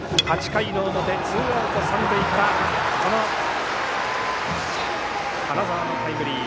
８回の表、ツーアウト三塁から金沢のタイムリー。